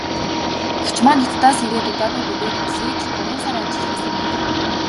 Эгч маань Хятадаас ирээд удаагүй бөгөөд үсрээд л гурван сар ажил хийсэн байх.